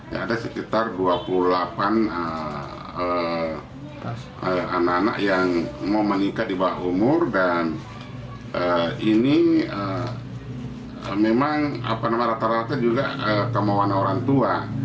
ya ada sekitar dua puluh delapan anak anak yang mau menikah di bawah umur dan ini memang rata rata juga kemauan orang tua